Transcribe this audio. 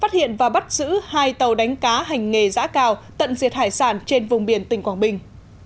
phát hiện và bắt giữ hai tàu đánh cá hành nghề giã cào tận diệt hải sản trên vùng biển tỉnh quảng bình